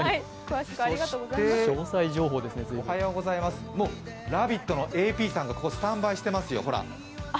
そして、おはようございます、もう「ラヴィット！」のＡＰさんがスタンバイしてますよ。